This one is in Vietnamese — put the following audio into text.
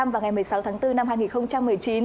vào ngày một mươi sáu tháng bốn năm hai nghìn một mươi chín